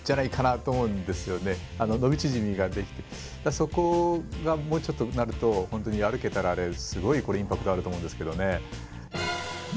そこがもうちょっとなると本当に歩けたらあれすごいインパクトあると思うんですけどね。